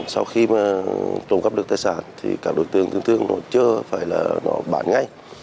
sau khi trộm cắp được tài sản thì các đối tượng thường thường chưa phải là bán ngay